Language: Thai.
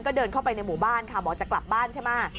ก็เดินเข้าไปในหมู่บ้านค่ะบอกจะกลับบ้านใช่ไหม